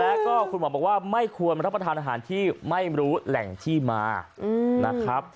แล้วก็คุณหมอบอกว่าไม่ควรรับประทานอาหารที่ไม่รู้แหล่งที่มานะครับ